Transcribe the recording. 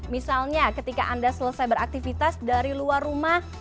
misalnya ketika anda selesai beraktivitas dari luar rumah